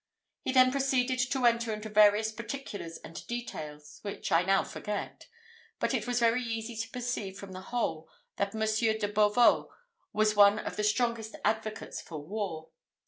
He then proceeded to enter into various particulars and details, which I now forget; but it was very easy to perceive from the whole that Monsieur de Beauvau was one of the strongest advocates for war.